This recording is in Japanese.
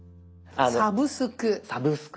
「サブスク」。